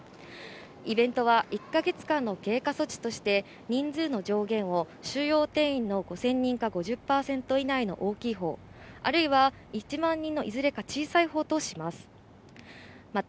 イベントは１か月間の経過措置として人数の上限を収容定員の５０００人か５０％以内の大きいほう、あるいは１万人のいずれか、小さいほうとします。